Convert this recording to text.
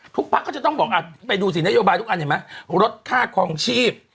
พักก็จะต้องบอกไปดูสินโยบายทุกอันเห็นไหมลดค่าคลองชีพ